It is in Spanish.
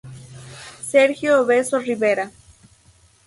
Sergio Obeso Rivera.